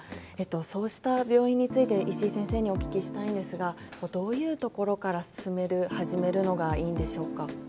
そうした病院について石井先生にお聞きしたいんですがどういうところから進める始めるのがいいんでしょうか。